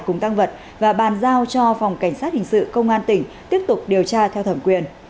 cùng tăng vật và bàn giao cho phòng cảnh sát hình sự công an tỉnh tiếp tục điều tra theo thẩm quyền